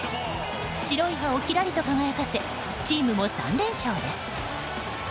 白い歯をきらりと輝かせチームも３連勝です。